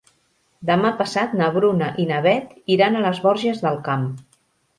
Demà passat na Bruna i na Beth iran a les Borges del Camp.